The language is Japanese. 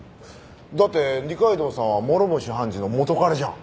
だって二階堂さんは諸星判事の元彼じゃん。